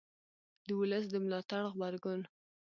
د ولس د ملاتړ غبرګون